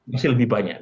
masih lebih banyak